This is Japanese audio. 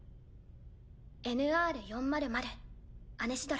ＮＲ４００アネシドラ。